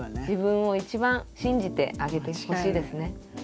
自分を一番信じてあげてほしいですね。